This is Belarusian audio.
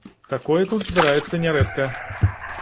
Такое тут здараецца нярэдка.